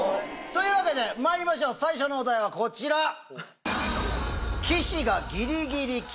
というわけでまいりましょう最初のお題はこちら。